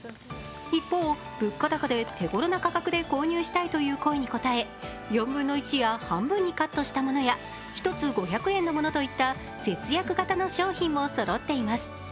一方、物価高で手頃な価格で購入したいという声に応え、４分の１や半分にカットしたものや１つ５００円のものといった節約型の商品もそろっています。